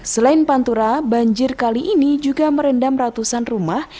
selain pantura banjir kali ini juga merendam ratusan rumah